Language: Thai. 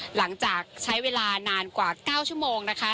หลังจากใช้เวลานานกว่า๙ชั่วโมงนะคะ